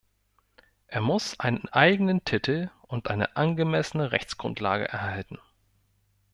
Er muss einen eigenen Titel und eine angemessene Rechtsgrundlage erhalten.